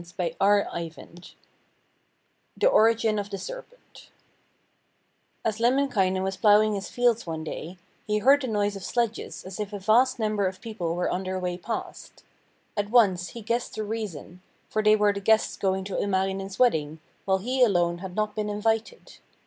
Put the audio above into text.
THE ORIGIN OF THE SERPENT As Lemminkainen was ploughing his fields one day, he heard the noise of sledges as if a vast number of people were on their way past. At once he guessed the reason, for they were the guests going to Ilmarinen's wedding, while he alone had not been invited.